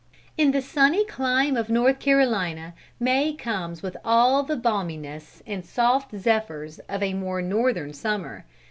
In the sunny clime of North Carolina May comes with all the balminess and soft zephyrs of a more northern summer.